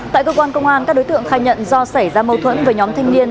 tại cơ quan công an các đối tượng khai nhận do xảy ra mâu thuẫn với nhóm thanh niên